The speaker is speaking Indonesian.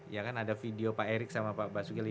ya kan ada video pak erik sama pak basuki